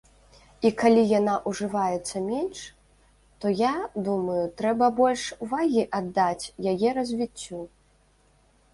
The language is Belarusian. І калі яна ўжываецца менш, то, я думаю, трэба больш увагі аддаць яе развіццю.